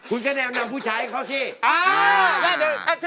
คุณก็แนวนำผู้ชายเขาดี